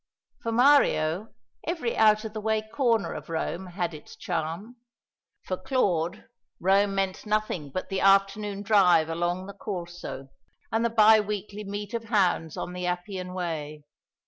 For Mario every out of the way corner of Rome had its charm for Claude Rome meant nothing but the afternoon drive along the Corso, and the bi weekly meet of hounds on the Appian Way.